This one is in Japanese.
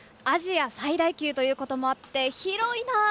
アジア最大級ということもあって広いな！